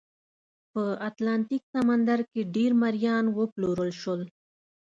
په اتلانتیک سمندر کې ډېر مریان وپلورل شول.